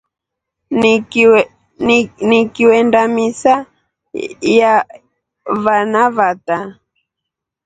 Nikiiwenda misa ya vana vata.